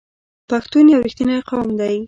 پښتون یو رښتینی قوم دی.